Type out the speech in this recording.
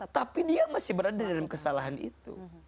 tapi dia masih berada dalam kesalahan itu